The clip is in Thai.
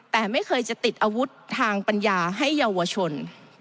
แต่ไม่เคยจะติดอาวุธทางปัญญาให้เยาวชน